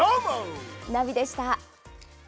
ナビでした。